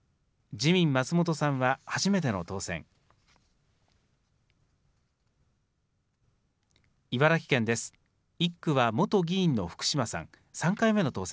自民、松本さんは初めての当選。